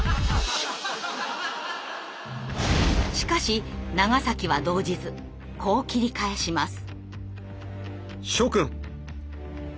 しかし長は動じずこう切り返します。